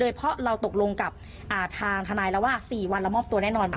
เพราะเราตกลงกับทางทนายแล้วว่า๔วันเรามอบตัวแน่นอน